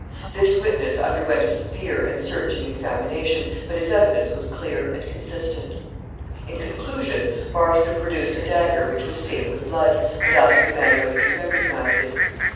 This witness underwent a severe and searching examination, but his evidence was clear and consistent. In conclusion, Marston produced a dagger, which was stained with blood, and asked the man whether he recognized it.